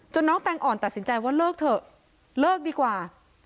น้องแตงอ่อนตัดสินใจว่าเลิกเถอะเลิกดีกว่า